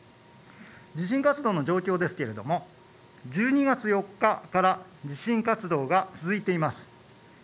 地震活動の状況ですけれども１２月４日から地震活動が続いています。